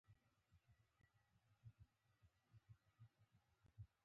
د کمپیوټر ویروسونه د معلوماتو زیانمنولو لامل ګرځي.